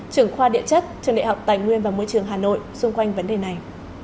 trưởng khoa địa chất trường đại học tài nguyên và môi trường hà nội xung quanh vấn đề này